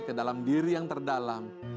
kedalam diri yang terdalam